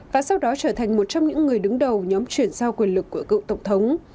và sau đó trở thành một trong những người đứng đầu nhóm chuyển giao quyền lực của cựu tổng thống